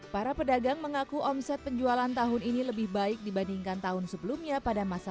para pedagang mengaku omset penjualan tahun ini lebih baik dibandingkan tahun sebelumnya pada masa